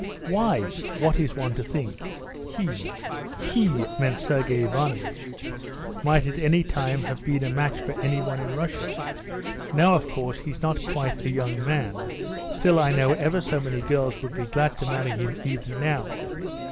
"Why, what is one to think? He" (he meant Sergey Ivanovitch) "might at any time have been a match for anyone in Russia; now, of course, he's not quite a young man, still I know ever so many girls would be glad to marry him even now....